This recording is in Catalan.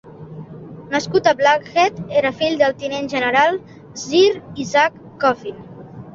Nascut a Blackheath, era fill del tinent general Sir Isaac Coffin.